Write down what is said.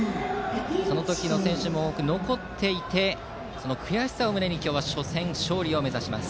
その時の選手も残っていて悔しさを胸に初戦勝利を目指します。